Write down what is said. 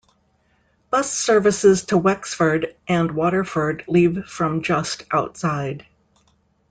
Bus services to Wexford, and Waterford leave from just outside.